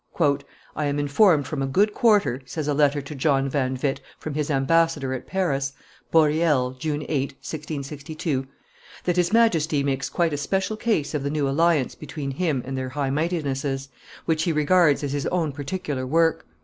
"I am informed from a good quarter," says a letter to John van Witt from his ambassador at Paris, Boreel, June 8, 1662, "that his Majesty makes quite a special case of the new alliance between him and their High Mightinesses, which he regards as his own particular work.